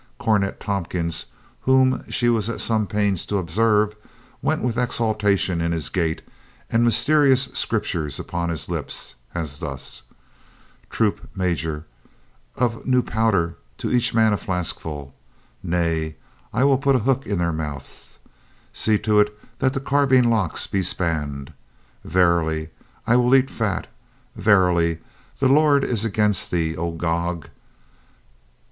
Cornet Tompkins, whom she was at some pains to observe, went with exultation in his gait and mysterious scripture upon his lips, as thus: "Troop major, of new powder to each man a flask full. Nay, I will put a hook in their mouths. See to it that the carbine locks be spanned. Verily, I will eat fat. Verily, the Lord is against thee, oh Gog."